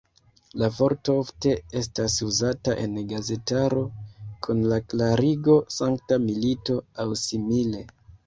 La vorto ofte estas uzata en gazetaro kun la klarigo "sankta milito" aŭ simile.